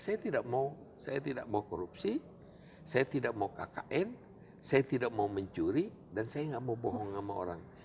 saya tidak mau saya tidak mau korupsi saya tidak mau kkn saya tidak mau mencuri dan saya tidak mau bohong sama orang